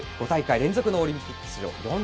５大会連続のオリンピック出場。